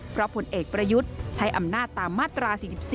เพราะผลเอกประยุทธ์ใช้อำนาจตามมาตรา๔๔